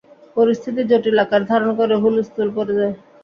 পরিস্থিতি জটিল আকার ধারণ করে হুলস্থুল পড়ে যায়।